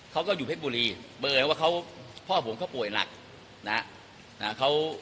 เขาก็อยู่เพชรบุรีบริเวณว่าเขาพ่อผมเขาป่วยหนักนะ